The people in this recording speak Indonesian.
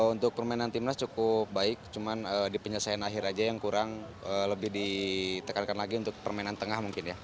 untuk permainan timnas cukup baik cuman di penyelesaian akhir aja yang kurang lebih ditekankan lagi untuk permainan tengah mungkin ya